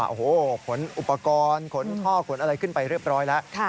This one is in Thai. โอ้โหขนอุปกรณ์ขนท่อขนอะไรขึ้นไปเรียบร้อยแล้ว